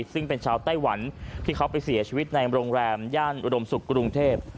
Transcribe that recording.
ซึ่งเป็นชาวไต้หวันที่เขาไปเสียชีวิตในโรงแรมย่านอุดมศุกร์กรุงเทพ